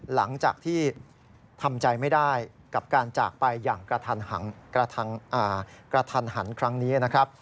หลังจากที่ทำใจไม่ได้กับการจากไปอย่างกระทันหันครั้งนี้นะครับ